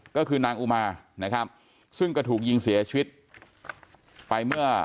ก็คือนางอุมานะครับซึ่งก็ถูกยิงเสียชีวิตไปเมื่อ